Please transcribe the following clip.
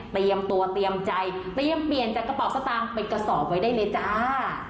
เตรียมตัวเตรียมใจเตรียมเปลี่ยนจากกระเป๋าสตางค์เป็นกระสอบไว้ได้เลยจ้า